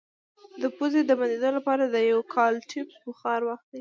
د پوزې د بندیدو لپاره د یوکالیپټوس بخار واخلئ